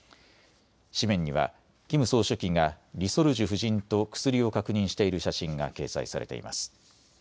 紙面にはキム総書記がリ・ソルジュ夫人と薬を確認している写真が掲載されています。